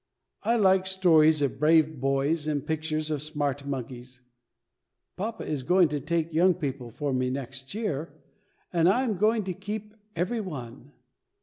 I like stories of brave boys and pictures of smart monkeys. Papa is going to take Young People for me next year, and I am going to keep every one.